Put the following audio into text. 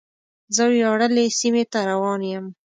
زه وياړلې سیمې ته روان یم.